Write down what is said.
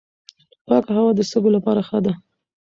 پاکه هوا د سږو لپاره ښه ده.